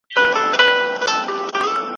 د لوی دیکتاتور وروستۍ وینا: